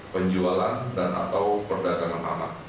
penjualan dan atau perdagangan anak